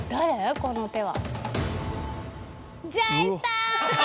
この手は。